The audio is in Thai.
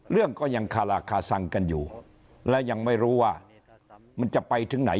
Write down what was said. เรื่องก็ยังคาราคาซังกันอยู่และยังไม่รู้ว่ามันจะไปถึงไหน